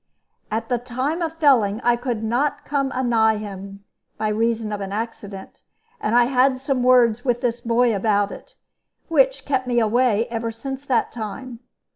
At the time of felling I could not come anigh him, by reason of an accident; and I had some words with this boy about it, which kept me away ever since that time.